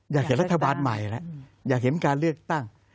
อยากเห็นรัฐบาลใหม่แล้วอยากเห็นการเลือกตั้ง